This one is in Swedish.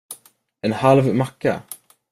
En halv macka?